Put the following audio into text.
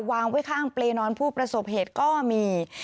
วางไว้ข้างเปรย์นอนผู้ประสบเหตุก็มี